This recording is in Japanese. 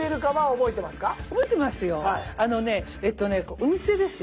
覚えてますよ。